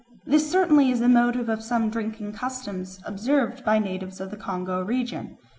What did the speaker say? This certainly is the motive of some drinking customs observed by natives of the Congo region.